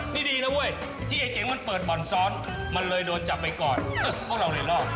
นี่ดีนะเว้ยที่ไอ้เจ๋งมันเปิดบ่อนซ้อนมันเลยโดนจับไปก่อนพวกเราเลยรอด